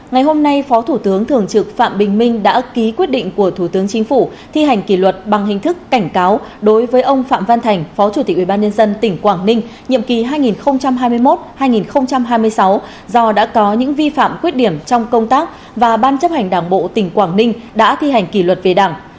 ngày hôm nay phó thủ tướng thường trực phạm bình minh đã ký quyết định của thủ tướng chính phủ thi hành kỷ luật bằng hình thức cảnh cáo đối với ông phạm văn thành phó chủ tịch ubnd tỉnh quảng ninh nhiệm kỳ hai nghìn hai mươi một hai nghìn hai mươi sáu do đã có những vi phạm khuyết điểm trong công tác và ban chấp hành đảng bộ tỉnh quảng ninh đã thi hành kỷ luật về đảng